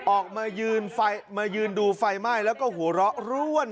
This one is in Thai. ออกมายืนดูไฟไหม้แล้วก็หัวเราะร่วน